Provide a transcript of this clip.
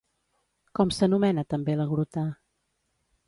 Com s'anomena també la Gruta?